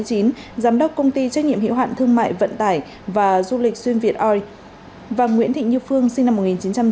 giám đốc công ty trách nhiệm hiệu hạn thương mại vận tải và du lịch xuyên việt oil và nguyễn thị như phương sinh năm một nghìn chín trăm tám mươi